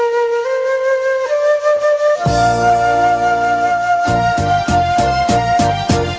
เป็นยังไงคะคุณน้ำทิพย์